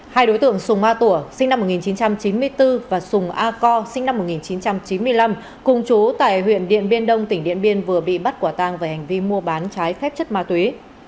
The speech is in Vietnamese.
hai đối tượng sùng a tủa sinh năm một nghìn chín trăm chín mươi bốn và sùng a co sinh năm một nghìn chín trăm chín mươi năm cùng chú tại huyện điện biên đông tỉnh điện biên vừa bị bắt quả tang về hành vi mua bán trái phép chất ma túy